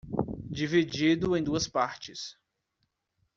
Dividido em duas partes